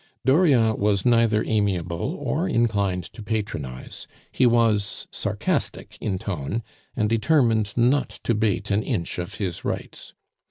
Dauriat was neither amiable or inclined to patronize; he was sarcastic in tone, and determined not to bate an inch of his rights.